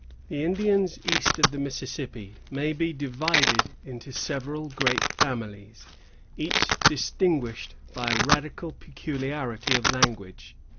The Indians east of the Mississippi may be divided into several great families, each distinguished by a radical peculiarity of language.